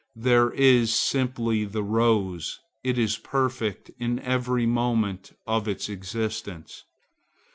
There is simply the rose; it is perfect in every moment of its existence.